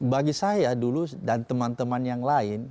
bagi saya dulu dan teman teman yang lain